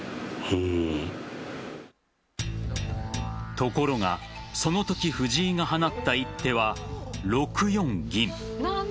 ところが、そのとき藤井が放った一手は６四銀。